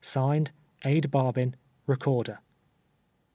(Signed,) ADE. BARBIN, Recorder.